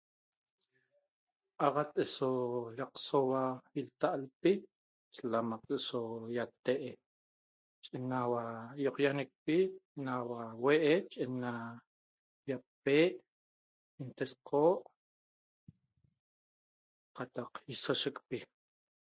Axat eso llacsohuaa' itaalpi eso . iatee' Enaua ioquiaxaneqpi naba huee' nava iape, intesoco cataq iasoshecpi